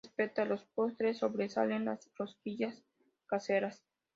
Respecto a los postres, sobresalen las rosquillas caseras.